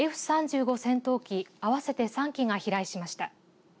戦闘機合わせて３機が飛来しました。